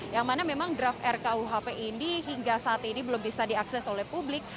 yang mana memang draft rkuhp ini hingga saat ini belum bisa diakses oleh publik